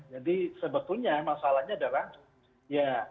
jadi sebetulnya masalahnya adalah ya